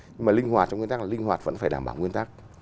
nhưng mà linh hoạt trong nguyên tắc là linh hoạt vẫn phải đảm bảo nguyên tắc